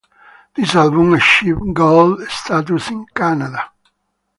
This album achieved Gold status in Canada.